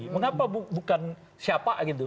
mengapa bukan siapa gitu